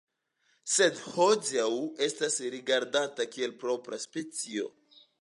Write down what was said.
Sed hodiaŭ estas rigardata kiel propra specio.